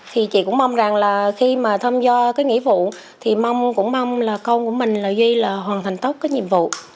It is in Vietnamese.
thì chị cũng mong rằng là khi mà tham gia cái nghĩa vụ thì mong cũng mong là con của mình là duy là hoàn thành tốt cái nhiệm vụ